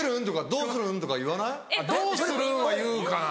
「どうするん」は言うかな。